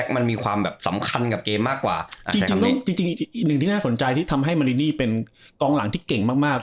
มันมีความแบบสำคัญกับเกมมากกว่าจริงอีกหนึ่งที่น่าสนใจที่ทำให้มารินีเป็นกองหลังที่เก่งมาก